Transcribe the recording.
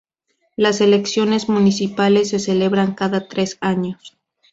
Las elecciones municipales se celebran cada tres años.